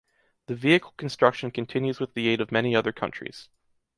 The vehicle construction continues with the aid of many other countries.